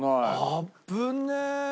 危ねえ！